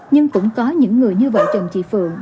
nhưng cũng có những người như vợ chồng chị phượng